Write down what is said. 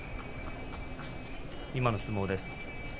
今の相撲です。